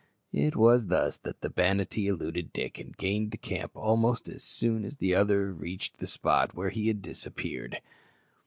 It was thus that the Banattee eluded Dick and gained the camp almost as soon as the other reached the spot where he had disappeared.